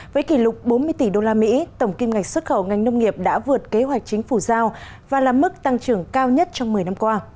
với kỷ lục bốn mươi tỷ usd tổng kim ngạch xuất khẩu ngành nông nghiệp đã vượt kế hoạch chính phủ giao và là mức tăng trưởng cao nhất trong một mươi năm qua